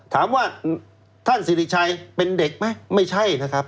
ถามว่าท่านสิริชัยเป็นเด็กไหมไม่ใช่นะครับ